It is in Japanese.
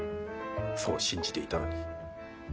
そう信じていたのに。